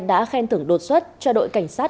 đã khen tưởng đột xuất cho đội cảnh sát